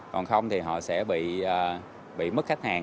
còn không thì họ sẽ bị mất khách hàng